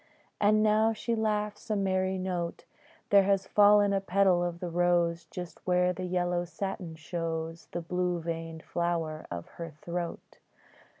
And now she laughs a merry note: There has fallen a petal of the rose Just where the yellow satin shows The blue veined flower of her throat.